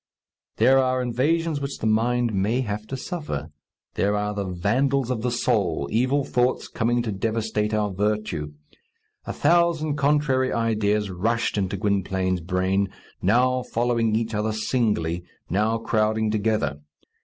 There are invasions which the mind may have to suffer. There are the Vandals of the soul evil thoughts coming to devastate our virtue. A thousand contrary ideas rushed into Gwynplaine's brain, now following each other singly, now crowding together.